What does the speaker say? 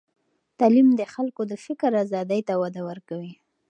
تعلیم د خلکو د فکر آزادۍ ته وده ورکوي.